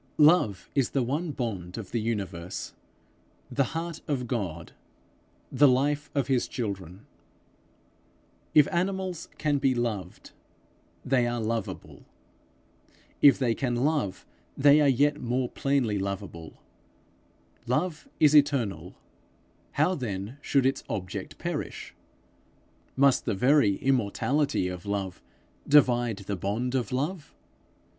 Love is the one bond of the universe, the heart of God, the life of his children: if animals can be loved, they are loveable; if they can love, they are yet more plainly loveable: love is eternal; how then should its object perish? Must the very immortality of love divide the bond of love?